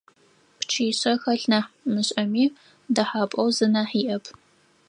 Пчъишъэ хэлъ нахь мышӀэми, дэхьапӀэу зы нахь иӀэп.